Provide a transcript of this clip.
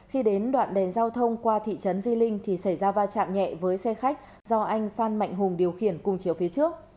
khi đến đoạn đèn giao thông qua thị trấn di linh thì xảy ra va chạm nhẹ với xe khách do anh phan mạnh hùng điều khiển cùng chiều phía trước